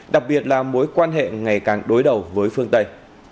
đặc biệt là mối quan hệ ngày càng đối đầu với phương tây